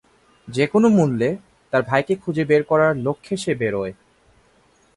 যেকোনো মূল্যে তার ভাইকে খুঁজে বের করার লক্ষ্যে সে বেরোয়।